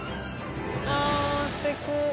あぁすてき。